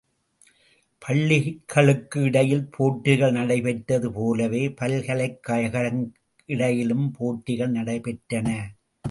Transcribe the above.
பள்ளிகளுக்கு இடையில் போட்டிகள் நடைபெற்றது போலவே, பல்கலைக் கழகங்களுக்கிடையிலும் போட்டிகள் நடத்தப்பெற்றன.